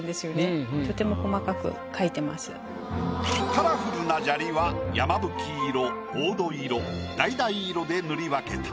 カラフルな砂利はやまぶき色黄土色だいだい色で塗り分けた。